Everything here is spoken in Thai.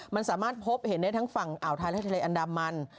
มันสามารถพบเห็นได้ทั้งฝั่งอ่าวไทยและทะเลอันดามัน